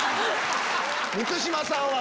満島さんは。